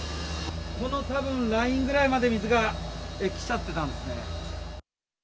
このたぶんラインぐらいまで水が来ちゃってたんですね。